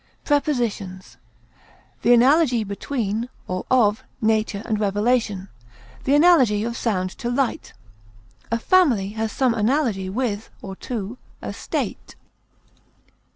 Prepositions: The analogy between (or of) nature and revelation; the analogy of sound to light; a family has some analogy with (or to) a state.